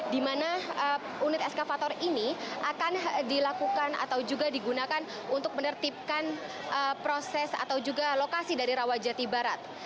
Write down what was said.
di mana unit eskavator ini akan dilakukan atau juga digunakan untuk menertibkan proses atau juga lokasi dari rawajati barat